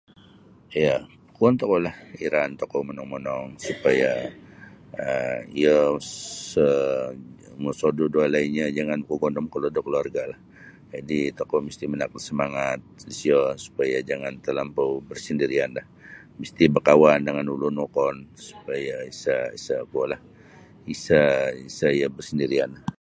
Ya kuon tokoulah iraan tokou monong-monong supaya um iyo sa mosodu da keluarga da walainyo jangan makagondom kolod da keluargalah jadi tokou misti manaak da semangat disiyo supaya jangan telampau bersendirianlah misti bakawan da ulun wokon supaya isa isa iyo bersendirianlah.